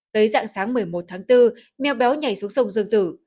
tới dặn sáng một mươi một tháng bốn mèo béo nhảy xuống sông dương tử